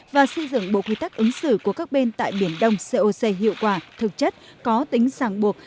và xây dựng bộ quy tắc ứng xử của các bên tại biển đông coc hiệu quả thực chất có tính sàng buộc